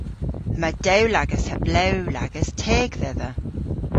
Yma dewlagas ha blew lagas teg dhedha.